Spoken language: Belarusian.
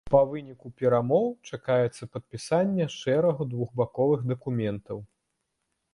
Па выніку перамоў чакаецца падпісанне шэрагу двухбаковых дакументаў.